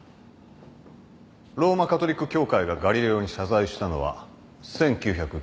ローマカトリック教会がガリレオに謝罪したのは１９９２年。